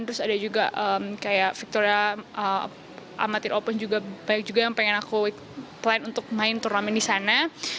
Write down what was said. terus ada juga kayak victoria amatir open juga banyak juga yang pengen aku plan untuk main turnamen di sana